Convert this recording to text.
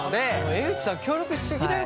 江口さん協力し過ぎだよ